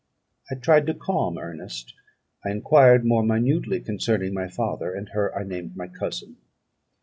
I tried to calm Ernest; I enquired more minutely concerning my father, and her I named my cousin.